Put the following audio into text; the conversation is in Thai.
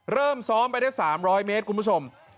เริ่มซ้อมไปได้๓๐๐เมตรคุณผู้ชม